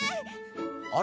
あれ？